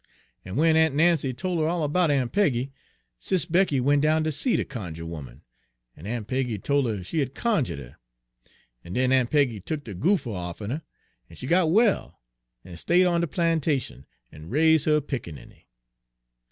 En w'en Aun' Nancy tol' 'er all 'bout Aun' Peggy, Sis' Becky went down ter see de cunjuh 'oman, en Aun' Peggy tol' her she had cunju'd her. En den Aun' Peggy tuk de goopher off'n her, en she got well, en stayed on de plantation, en raise' her pickaninny.